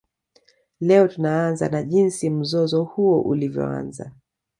Leo tunaanza na jinsi mzozo huo ulivyoanza